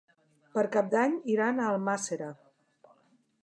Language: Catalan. Per Cap d'Any iran a Almàssera.